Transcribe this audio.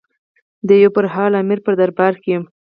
د یو برحال امیر په دربار کې.